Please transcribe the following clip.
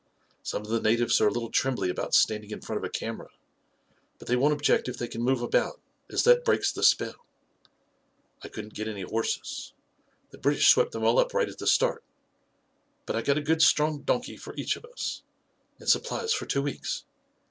Some of the natives are a little trembly about standing in front of a camera, but they won't object if they can move about, as that breaks the spell. I couldn't get any horses — the British swept them all up right at the start; but I got a good strong donkey for each of us. And supplies for two weeks.